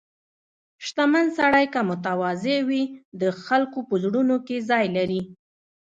• شتمن سړی که متواضع وي، د خلکو په زړونو کې ځای لري.